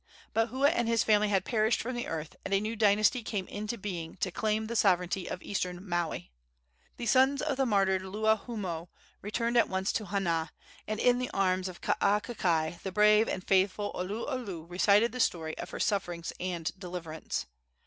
But Hua and his family had perished from the earth, and a new dynasty came into being to claim the sovereignty of eastern Maui. The sons of the martyred Luahoomoe returned at once to Hana, and in the arms of Kaakakai the brave and faithful Oluolu recited the story of her sufferings and deliverance.